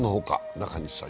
中西さん